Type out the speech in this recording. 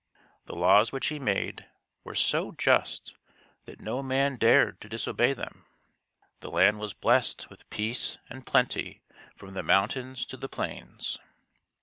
The laws which he made were so just that no man dared to disobey them. The land was blessed with peace and plenty from the mountains to the plains.